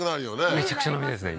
めちゃくちゃ飲みたいですね